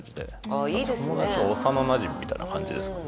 幼なじみみたいな感じですかね